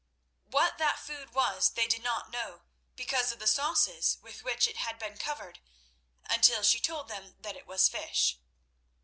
What that food was they did not know, because of the sauces with which it had been covered, until she told them that it was fish.